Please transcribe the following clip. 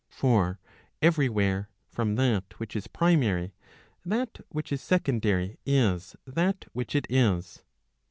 For every where, from that which is primary that which is secondary is that which it is.